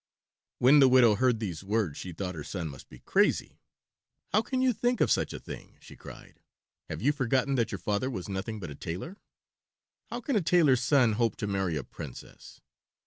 When the widow heard these words she thought her son must be crazy. "How can you think of such a thing?" she cried. "Have you forgotten that your father was nothing but a tailor? How can a tailor's son hope to marry a princess?"